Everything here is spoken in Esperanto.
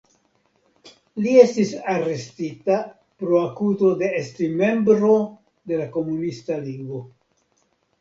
Li estis arestita pro akuzo de esti membro de la Komunista Ligo.